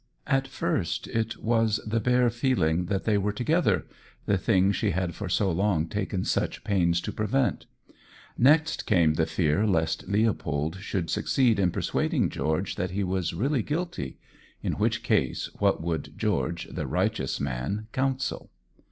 At first it was the bare feeling that they were together the thing she had for so long taken such pains to prevent. Next came the fear lest Leopold should succeed in persuading George that he was really guilty in which case, what would George, the righteous man, counsel?